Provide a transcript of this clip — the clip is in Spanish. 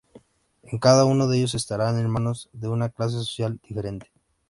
En cada uno de ellos estarán en manos de una clase social diferente.